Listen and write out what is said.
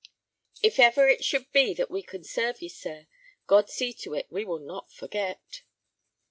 "If ever it should be that we can serve ye, sir, God see to it, we will not forget."